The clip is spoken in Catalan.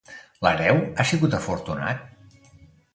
L'hereu ha sigut afortunat?